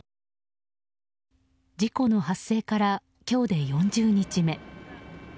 事故の発生から今日で４０日目。